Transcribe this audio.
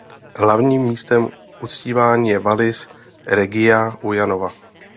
Hlavním místem uctívání je Vallis Regia u Janova.